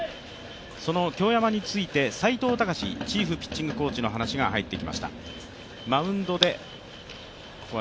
その京山について、斎藤隆チームピッチングコーチの話が入ってきました。